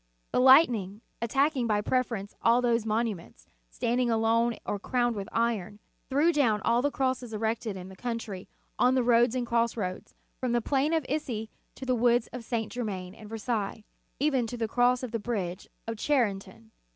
The lightning, attacking by preference all those monu ments standing alone or crowned with iron, threw down all tlie crosses erected in the In the Nineteenth Century. 313 country, on the roads and cross roads, from the plain of Issy to the woods of St. Germain and Versailles, even to the cross of the bridge of Charenton.